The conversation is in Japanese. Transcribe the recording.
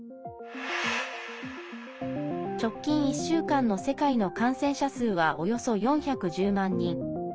直近１週間の世界の感染者数はおよそ４１０万人。